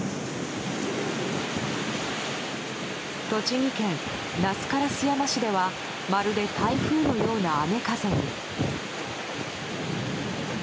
栃木県那須烏山市ではまるで台風のような雨風に。